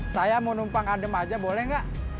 saya mau numpang adem aja boleh nggak